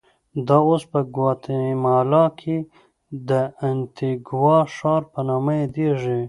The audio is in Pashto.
دا اوس په ګواتیمالا کې د انتیګوا ښار په نامه یادېږي.